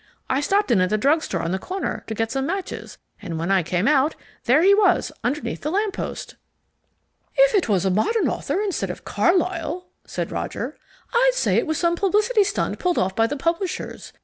I stopped in at the drug store on the corner to get some matches, and when I came out, there he was underneath the lamp post." "If it was a modern author, instead of Carlyle," said Roger, "I'd say it was some publicity stunt pulled off by the publishers.